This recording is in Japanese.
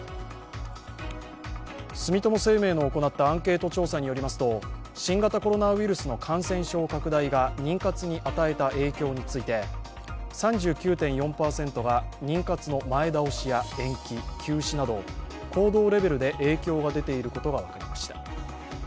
住友生命の行ったアンケート調査によりますと新型コロナウイルスの感染症拡大が妊活に与えた影響について３９．４％が妊活の前倒しや延期、休止など行動レベルで影響が出ていることが分かりました。